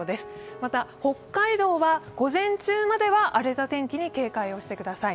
また、北海道は午前中までは荒れた天気に警戒をしてください。